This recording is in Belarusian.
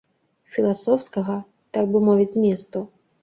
Філасофскага, так бы мовіць, зместу.